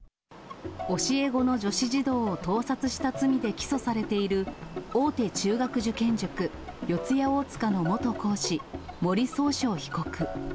教え子の女子児童を盗撮した罪で起訴されている大手中学受験塾、四谷大塚の元講師、森崇翔被告。